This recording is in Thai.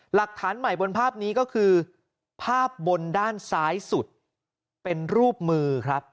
หลักฐานใหม่บนภาพนี้ก็คือภาพบนด้านซ้ายสุดเป็นรูปมือครับ